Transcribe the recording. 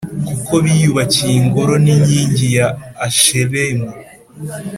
kuko biyubakiye ingoro n inkingi ya Asherimu.